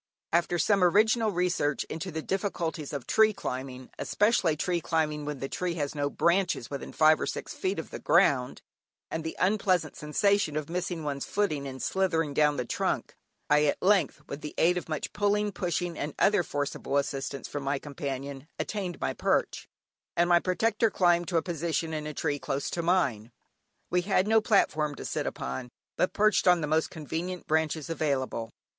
After some original research into the difficulties of tree climbing (especially tree climbing when the tree has no branches within five or six feet of the ground), and the unpleasant sensation of missing one's footing and slithering down the trunk, I at length, with the aid of much pulling, pushing, and other forcible assistance from my companion, attained my perch, and my protector climbed to a position in a tree close to mine. We had no platform to sit upon, but perched on the most convenient branches available.